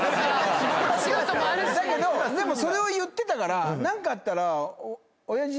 だけどでもそれを言ってたから何かあったら。